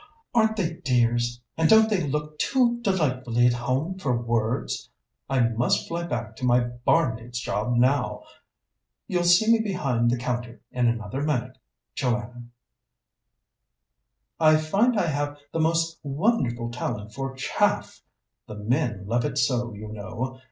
Aren't they dears, and don't they look too delightfully at home for words? I must fly back to my barmaid's job now; you'll see me behind the counter in another minute, Joanna. I find I have the most wonderful talent for chaff the men love it so, you know.